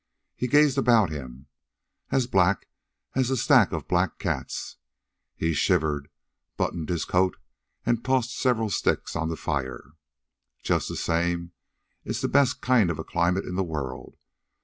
He gazed about him. "An' black as a stack of black cats." He shivered, buttoned his coat, and tossed several sticks on the fire. "Just the same, it's the best kind of a climate in the world.